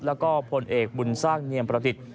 แล้วก็พลเอกบุญสร้างเนียมประดิษฐ์